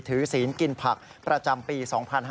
ถือศีลกินผักประจำปี๒๕๖๑